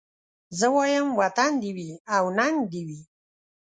زه وايم وطن دي وي او ننګ دي وي